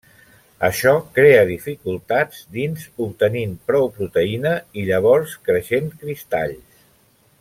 Això crea dificultats dins obtenint prou proteïna i llavors creixent cristalls.